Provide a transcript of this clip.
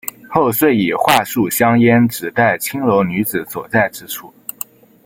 后遂以桦树香烟指代青楼女子所在之处。